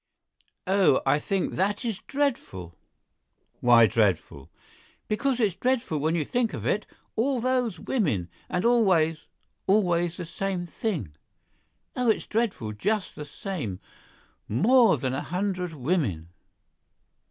"Oh! I think that is dreadful!" "Why dreadful?" "Because it's dreadful when you think of it—all those women—and always—always the same thing. Oh! it's dreadful, just the same—more than a hundred women!"